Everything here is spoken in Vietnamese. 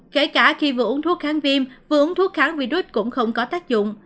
kể cả khi vừa uống thuốc kháng viêm vừa uống thuốc kháng virus cũng không có tác dụng